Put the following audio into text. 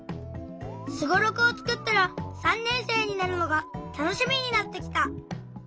スゴロクをつくったら３年生になるのがたのしみになってきた！